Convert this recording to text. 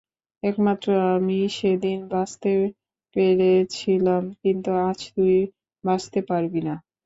একমাত্র আমিই সেদিন বাঁচতে পেরেছিলাম, কিন্তু আজ তুই বাঁচতে পারবি না।